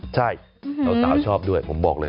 ใช่สาวชอบด้วยผมบอกเลย